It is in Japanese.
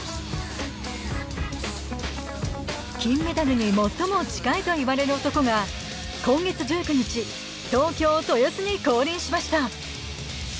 金メダルに最も近いといわれる男が今月１９日、東京・豊洲に降臨しました。